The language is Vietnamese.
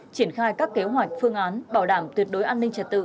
triển khai các kế hoạch phương án bảo đảm tuyệt đối an ninh trật tự